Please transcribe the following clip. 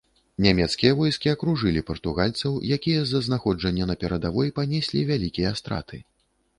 Нямецкія войскі акружылі партугальцаў, якія з-за знаходжання на перадавой панеслі вялікія страты.